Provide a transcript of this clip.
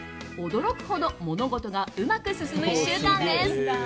驚くほど物事がうまく進む１週間です。